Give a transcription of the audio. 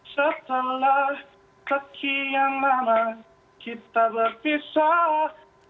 setelah sekian lama kita berpisah